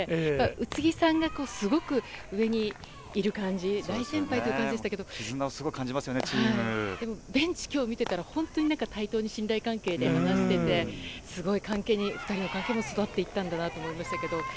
宇津木さんがすごく上にいる感じ大先輩という感じでしたけどベンチを今日見てたら本当に対等に信頼関係で話しててすごい関係に２人は育っていったんだなと思いましたけど。